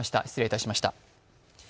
失礼いたしました。